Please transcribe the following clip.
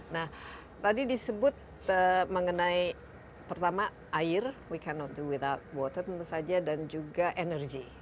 nah tadi disebut mengenai pertama air we cannot do without water tentu saja dan juga energy